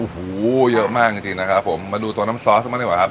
โอ้โหเยอะมากจริงนะครับผมมาดูตัวน้ำซอสกันบ้างดีกว่าครับ